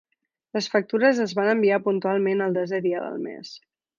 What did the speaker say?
Les factures es van enviar puntualment el desè dia del mes.